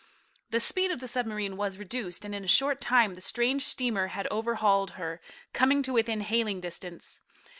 The speed of the submarine was reduced, and in a short time the strange steamer had overhauled her, coming to within hailing distance.